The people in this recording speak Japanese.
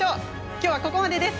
きょうは、ここまでです。